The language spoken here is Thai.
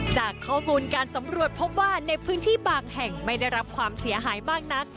จากข้อมูลการสำรวจพบว่าในพื้นที่บางแห่งไม่ได้รับความเสียหายมากนัก